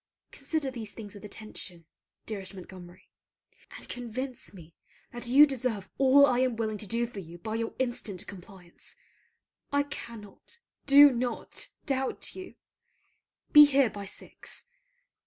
Consider these things with attention, dearest Montgomery: and convince me that you deserve all I am willing to do for you by your instant compliance. I cannot, do not, doubt you. Be here by six.